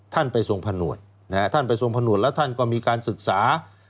ท่านไปทรงพนวรแล้วท่านก็มีการศึกษา